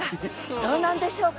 どうなんでしょうか？